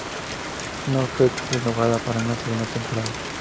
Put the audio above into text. No fue renovada para una segunda temporada.